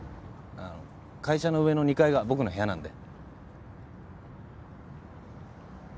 あの会社の上の２階が僕の部屋なんで。